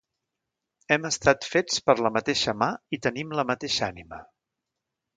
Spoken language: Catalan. Hem estat fets per la mateixa Mà i tenim la mateixa Ànima.